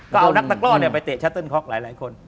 ก็เอานักตะกร่อไปเตะชัตเติ้ค็อกหลายคน